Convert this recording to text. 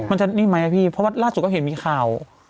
จะนิ่งไหมพี่เพราะว่าล่าสุดก็เห็นมีข่าว